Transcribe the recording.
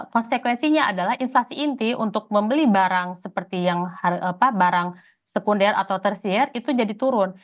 konsekuensinya adalah inflasi inti untuk membeli barang seperti yang barang sekunder atau tersier itu jadi turun